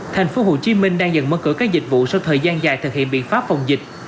thành phố hồ chí minh đang dần mất cửa các dịch vụ sau thời gian dài thực hiện biện pháp phòng dịch